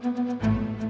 dek aku mau ke sana